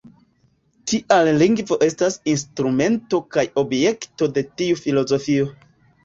Tial lingvo estas instrumento kaj objekto de tiu filozofio.